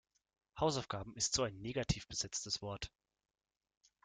Hausaufgabe ist so ein negativ besetztes Wort.